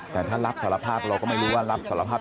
แต่ถ้ารับสารภาพเราก็ไม่รู้ว่ารับสารภาพ